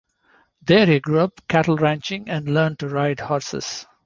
There he grew up cattle ranching and learned to ride horses.